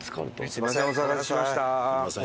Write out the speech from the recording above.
すみません。